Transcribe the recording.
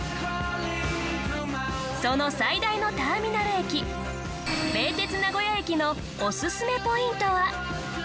その最大のターミナル駅名鉄名古屋駅のオススメポイントは。